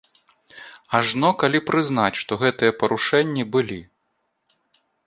Ажно калі прызнаць, што гэтыя парушэнні былі.